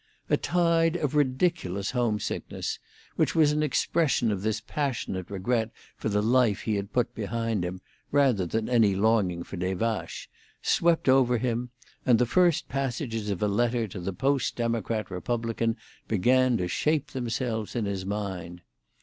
A tide of ridiculous home sickness, which was an expression of this passionate regret for the life he had put behind him, rather than any longing for Des Vaches, swept over him, and the first passages of a letter to the Post Democrat Republican began to shape themselves in his mind.